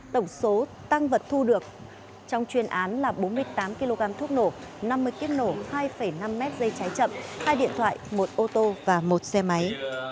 tổng số tăng vật thu được trong chuyên án là bốn mươi tám kg thuốc nổ năm mươi kiếp nổ hai năm m dây trái chậm hai điện thoại một ô tô và một xe máy